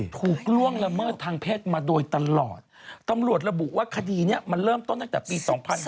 ล่วงละเมิดทางเพศมาโดยตลอดตำรวจระบุว่าคดีนี้มันเริ่มต้นตั้งแต่ปี๒๕๕๙